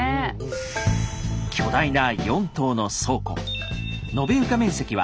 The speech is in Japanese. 巨大な４棟の倉庫。